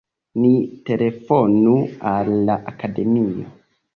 Ni telefonu al la Akademio!